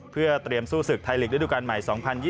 เพื่อเตรียมสู้ศึกไทยลีกระดูกาลใหม่๒๐๒๐